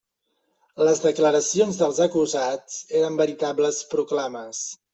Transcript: Les declaracions dels acusats eren veritables proclames.